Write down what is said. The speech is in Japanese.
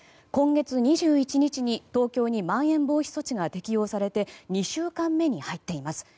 今月２１日に東京にまん延防止措置が適用され２週間目に入っています。